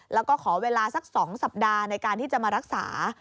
แล้วก็ขอเวลาสัก๒สัปดาห์ในการที่จะมารักษา